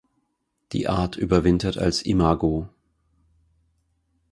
Die Art überwintert als Imago.